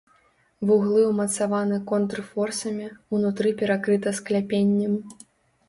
Вуглы ўмацаваны контрфорсамі, унутры перакрыта скляпеннем.